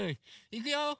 いくよ！